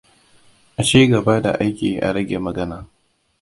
A ci gaba da aiki a rage magana!